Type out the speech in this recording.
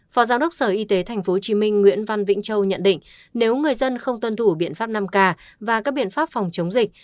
phó giám đốc sở y tế tp hcm nguyễn văn vĩnh châu nhận định nếu người dân không tuân thủ biện pháp năm k và các biện pháp phòng chống dịch